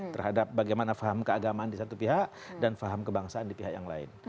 terhadap bagaimana faham keagamaan di satu pihak dan faham kebangsaan di pihak yang lain